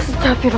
tidak ada jurit